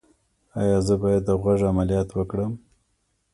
ایا زه باید د غوږ عملیات وکړم؟